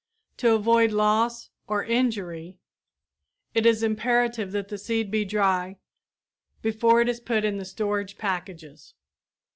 To avoid loss or injury it is imperative that the seed be dry before it is put in the storage packages.